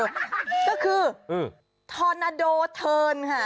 ก็คือทอนาโดเทิร์นค่ะ